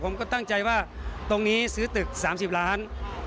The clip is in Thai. ผมก็ตั้งใจว่าตรงนี้ซื้อตึก๓๐ล้าน